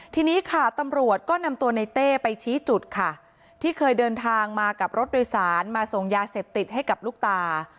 ทีนี้ค่ะตำรวจก็นำตัวในเต้ไปชี้จุดค่ะที่เคยเดินทางมากับรถโดยสารมาส่งยาเสพติดให้กับลูกตา